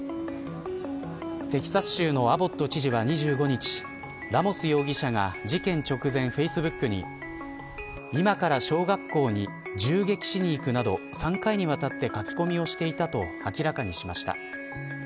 テキサス州のアボット知事は２５日ラモス容疑者が事件直前、フェイスブックに今から小学校に銃撃しに行くなど３回にわたって書き込みをしていたと明らかにしました。